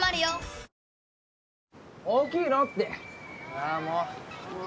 あぁもう。